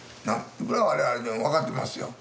それは我々でも分かってますよ。